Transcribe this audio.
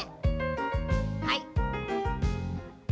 はい。